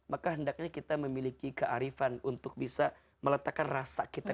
maka hendaknya kita memiliki kearifan untuk bisa meletakkan rasa kita